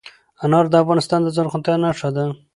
انار د افغانستان د زرغونتیا نښه ده.